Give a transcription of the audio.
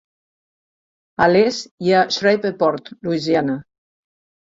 A l'est hi ha Shreveport (Louisiana).